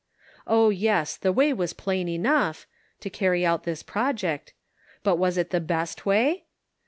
Oh, yes, the way was plain enough (to carry out this project), but was it the best way